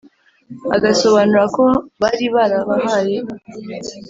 Agasobanura ko bari barabahaye